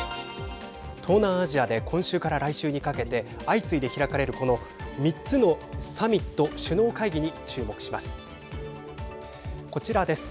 東南アジアで今週から来週にかけて相次いで開かれるこの３つのサミット首脳会議に注目します。